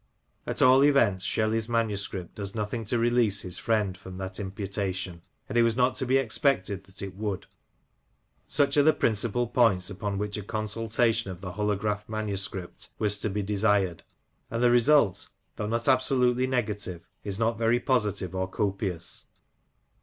At all events Shelley's manuscript does nothing to release his friend from that imputation ; and it was not to be expected that it would. Such are the principal points upon which a consulta tion of the holograph manuscript was to be desired ; and the result, though not absolutely negative, is not very positive or copious.